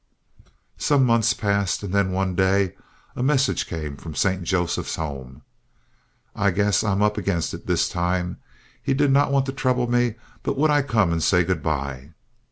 Some months passed, and then one day a message came from St. Joseph's Home: "I guess I am up against it this time." He did not want to trouble me, but would I come and say good by?